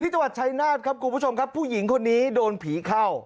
จังหวัดชายนาฏครับคุณผู้ชมครับผู้หญิงคนนี้โดนผีเข้า